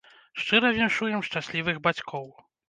Шчыра віншуем шчаслівых бацькоў!